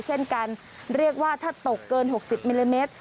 เช่นกันเรียกว่าถ้าตกเกิน๖๐มิลลิเมตร